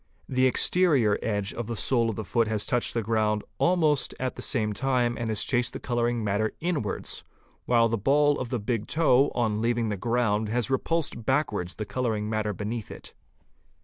The exterior edge of the sole of the foot has touched the ground almost at the same time and has chased the colouring matter inwards, while the ball of the big toe on leaving the ground has repulsed backwards the colouring matter beneath it.